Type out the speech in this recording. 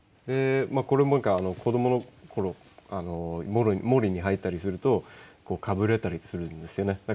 でこれも何か子どもの頃森に入ったりするとかぶれたりするんですよね。